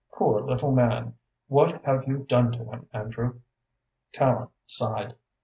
Poor little man! What have you done to him, Andrew?" Tallente sighed.